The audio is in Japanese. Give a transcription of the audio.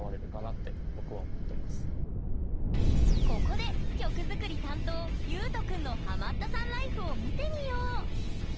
ここで曲作り担当ユウト君のハマったさんライフを見てみよう！